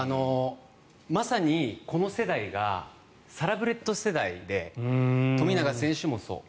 まさにこの世代がサラブレッド世代で富永選手もそう。